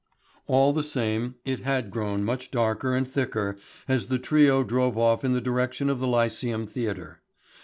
All the same it had grown much darker and thicker as the trio drove off in the direction of the Lyceum Theatre.